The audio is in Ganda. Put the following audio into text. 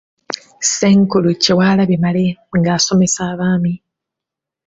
Ssenkulu Kyewalabye Male ng'asomesa Abaami.